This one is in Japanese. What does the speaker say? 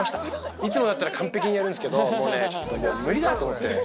いつもだったら完璧にやるんですけど、もう無理だと思って。